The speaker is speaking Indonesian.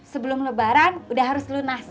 sebelum lebaran udah harus lunas